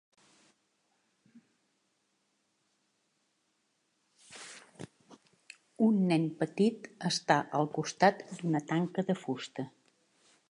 Un nen petit està al costat d'una tanca de fusta.